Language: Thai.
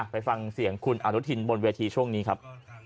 ไปฟังเสียงคุณอนุทินบนเวทีช่วงนี้ครับ